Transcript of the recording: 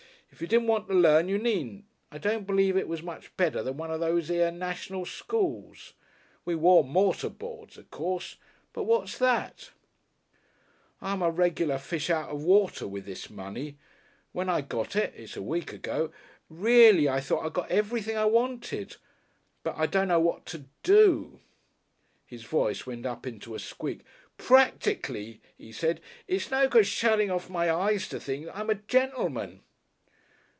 If you didn't want to learn you needn't I don't believe it was much better than one of these here national schools. We wore mortarboards, o' course. But what's that? "I'm a regular fish out of water with this money. When I got it it's a week ago reely I thought I'd got everything I wanted. But I dunno what to do." His voice went up into a squeak. "Practically," he said, "it's no good shuttin' my eyes to things I'm a gentleman."